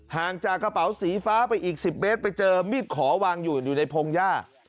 ห่างจากกระเป๋าสีฟ้าไปอีก๑๐เมตรไปเจอมีดขอวางอยู่อยู่ในพงหญ้า